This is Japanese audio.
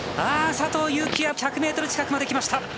佐藤幸椰１００ｍ近くまで来ました！